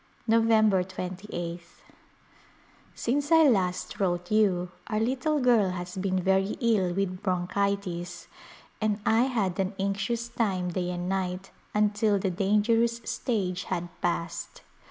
Novemher 2Sth, Since I last wrote you our little girl has been very ill with bronchitis and I had an anxious time day and night until the dangerous stage had passed.